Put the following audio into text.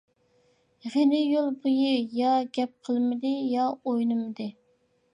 غېنى يول بويى يا گەپ قىلمىدى، يا ئوينىمىدى.